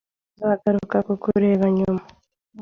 Tuzagaruka kukureba nyuma